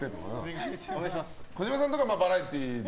児嶋さんとかはバラエティーで？